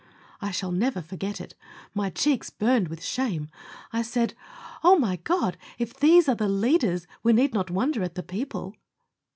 I shall never forget it. My cheeks burned with shame. I said, "Oh! my God, if these are the leaders, we need not wonder at the people."